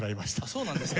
そうなんですか？